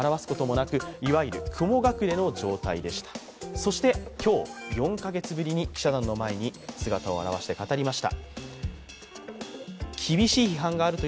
そして、今日、４カ月ぶりに記者団の前に姿を現して語りました。